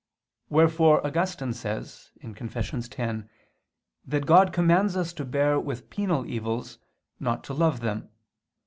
Wherefore Augustine says (Confess. x) that God commands us to bear with penal evils, not to love them.